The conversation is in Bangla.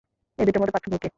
এই দুইটার মধ্যে পার্থক্য কী?